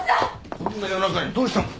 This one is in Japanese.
こんな夜中にどうした？